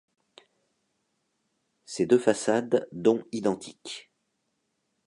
Ses deux façades dont identiques.